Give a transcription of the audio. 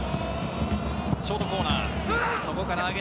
ショートコーナー。